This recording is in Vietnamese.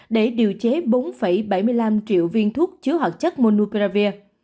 để điều chế bốn bảy mươi năm triệu viên thuốc chứa hoạt chất monukravir